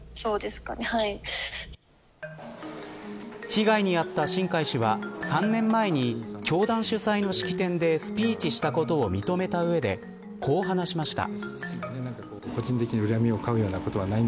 被害にあった新開氏は３年前に教団主催の式典でスピーチしたことを認めた上でこう話しました。